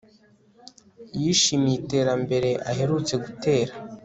yishimiye iterambere aherutse gutera